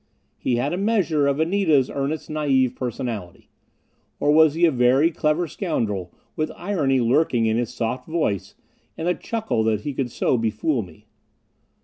He had a measure of Anita's earnest naïve personality. Or was he a very clever scoundrel, with irony lurking in his soft voice, and a chuckle that he could so befool me?